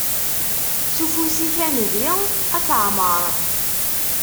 S ufus-ik a Nnbi ad teɛmer.